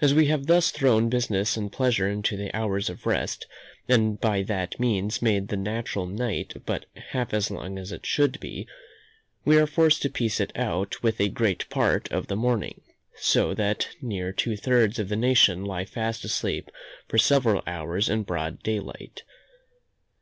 As we have thus thrown business and pleasure into the hours of rest, and by that means made the natural night but half as long as it should be, we are forced to piece it out with a great part of the morning; so that near two thirds of the nation lie fast asleep for several hours in broad day light.